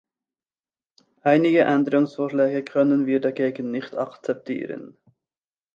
Einige Änderungsvorschläge können wir dagegen nicht akzeptieren.